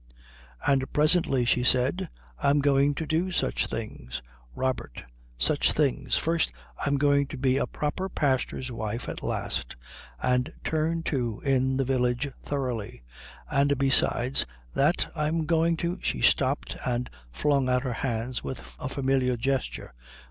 "And presently," she said, "I'm going to do such things Robert, such things. First, I'm going to be a proper pastor's wife at last and turn to in the village thoroughly. And besides that I'm going to " She stopped and flung out her hands with a familiar gesture.